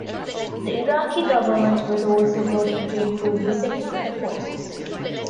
The Iraqi government was also working to improve the security forces.